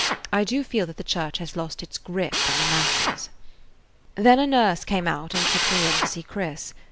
I do feel that the church has lost its grip on the masses. [Page 36] Then a nurse came out and took me in to see Chris.